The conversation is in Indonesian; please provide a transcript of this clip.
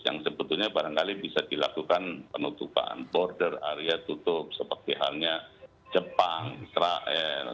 yang sebetulnya barangkali bisa dilakukan penutupan border area tutup seperti halnya jepang israel